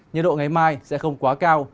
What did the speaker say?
nhiệt độ ngày mai sẽ không quá cao